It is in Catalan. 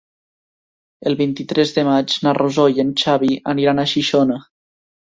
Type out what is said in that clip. El vint-i-tres de maig na Rosó i en Xavi aniran a Xixona.